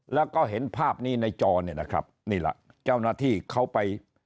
แล้วก็เห็นภาพนี้ในจอเนี่ยนะครับนี่ล่ะเจ้าหน้าที่เขาไป